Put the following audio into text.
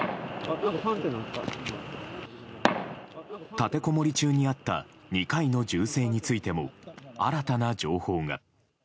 立てこもり中にあった２回の銃声についても新たな情報が。